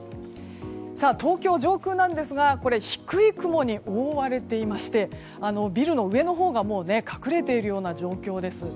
東京、上空なんですがこれ低い雲に覆われていましてビルの上のほうが隠れている状況です。